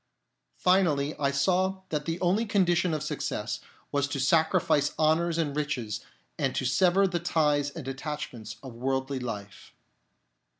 Finally, I saw that the only condition of success was to sacrifice honours and riches and to sever the ties and attachments of worldly life.